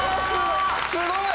すごい！